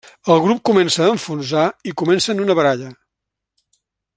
El grup comença a enfonsar i comencen una baralla.